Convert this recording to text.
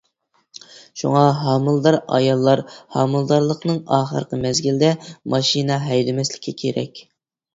شۇڭا ھامىلىدار ئاياللار ھامىلىدارلىقنىڭ ئاخىرقى مەزگىلىدە ماشىنا ھەيدىمەسلىكى كېرەك.